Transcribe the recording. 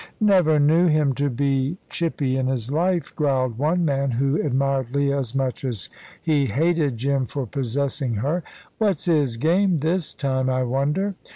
"Never knew him to be chippy in his life," growled one man, who admired Leah as much as he hated Jim for possessing her. "What's his game this time, I wonder?"